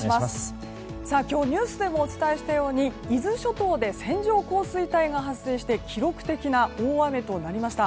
今日、ニュースでもお伝えしたように伊豆諸島で線状降水帯が発生して記録的な大雨となりました。